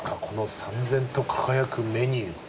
このさんぜんと輝くメニュー。